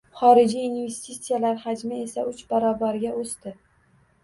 Xorijiy investitsiyalar hajmi esa uch barobarga o‘sdi.